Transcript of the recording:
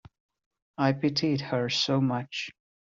I pitied her so much.